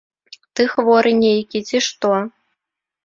Ты хворы нейкі, ці што?